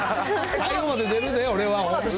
最後まで出るで、俺は。